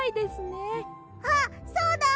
あっそうだ！